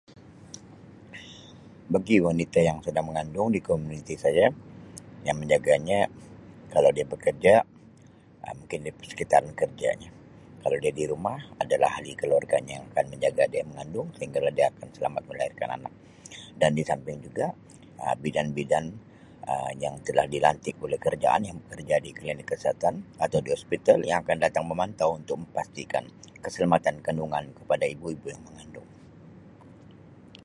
begi wanita yang sedang mengandung di komuniti saya yang menjaganya kalau dia bekerja Um mungkin di persekitaran kerjanya, kalau dia di rumah adalah hali keluarganya yang akan menjaga dia mengandung sehinggalah dia akan selamat melahirkan anak dan juga bidan-bidan Um yang telah dilantik oleh kerajaan yang bekerja di klinik kesihatan atau di hospital yang akan datang memantau untuk mempastikan keselamatan kandungan kepada ibu-ibu yang mengandung.